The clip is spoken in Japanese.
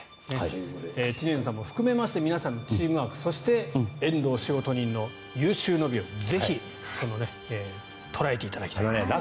知念さんも含めて皆さんのチームワークそして、遠藤仕事人の有終の美をぜひ捉えていただきたいと思います。